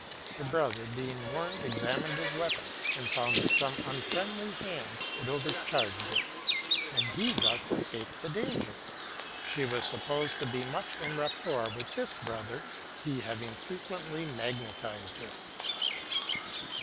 Her brother, being warned, examined his weapon, and found that some unfriendly hand had overcharged it ; and he thus escaped the danger. She was sup posed to be much en rapport with this brother, he having frequently magnetized her.